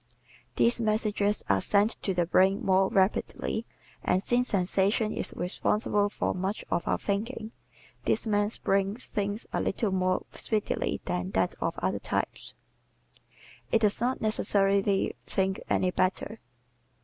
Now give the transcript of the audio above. These messages are sent to the brain more rapidly and, since sensation is responsible for much of our thinking, this man's brain thinks a little more speedily than that of other types. It does not necessarily think any better.